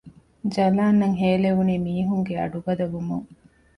ޖަލާން އަށް ހޭލެވުނީ މީހުންގެ އަޑު ގަދަވުމުން